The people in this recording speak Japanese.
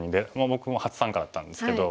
僕も初参加だったんですけど。